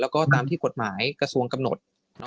และตามที่กรดหมายกระทรวงกำหนด